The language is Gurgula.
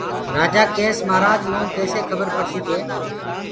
رآجآ ڪيس مهآرآج مئونٚ ڪيسي کبر پڙسيٚ ڪي